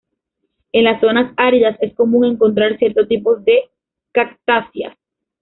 En las zonas áridas es común encontrar cierto tipo de cactáceas.